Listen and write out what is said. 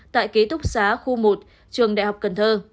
tại ký túc xá khu một trường đại học cần thơ